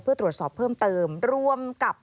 เพื่อตรวจสอบเพิ่มเติมรวมกับ